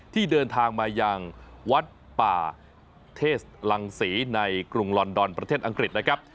ที่เดินทางมายังวัดป่าเทศลังศรีในกรุงลอนดอนประเทศอังกฤษนะครับ